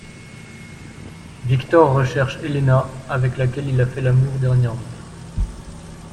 Víctor recherche Helena, avec laquelle il a fait l'amour dernièrement.